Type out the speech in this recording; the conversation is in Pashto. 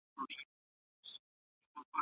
د مجلس غړي څه مسؤلیتونه لري؟